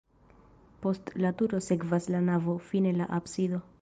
Post la turo sekvas la navo, fine la absido.